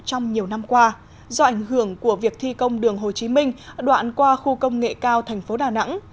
trong nhiều năm qua do ảnh hưởng của việc thi công đường hồ chí minh đoạn qua khu công nghệ cao thành phố đà nẵng